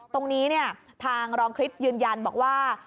ตรงนี้ทางรองคลิปยืนยันบอกว่า